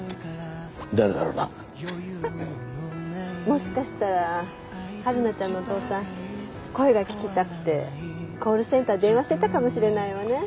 もしかしたらはるなちゃんのお父さん声が聞きたくてコールセンター電話してたかもしれないわね。